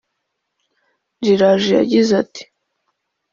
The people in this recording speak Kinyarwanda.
J Raju yagize ati